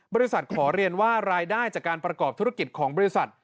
บริษัทขอเรียนว่ารายได้จากการประกอบธุรกิจของบริษัท